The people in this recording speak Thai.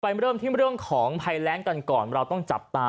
เริ่มที่เรื่องของภัยแรงกันก่อนเราต้องจับตา